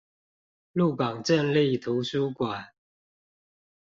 鹿港鎮立圖書館